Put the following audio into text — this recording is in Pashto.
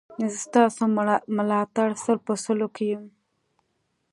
زه ستاسو ملاتړ سل په سلو کې لرم